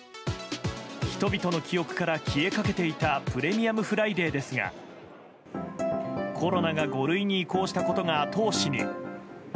人々の記憶から消えかけていたプレミアムフライデーですがコロナが５類に移行したことが後押しに。